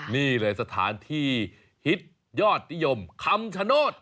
นี่เลยสถานที่ฮิตยอดนิยมคำชโนธ